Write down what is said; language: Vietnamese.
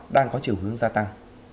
đang có chiều hướng gia tăng